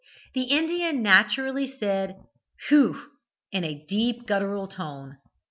The Indian naturally said 'Hugh,' in a deep guttural tone.